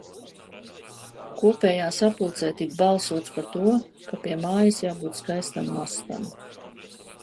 Kopējā sapulcē tika balsots par to, ka pie mājas jābūt skaistam mastam.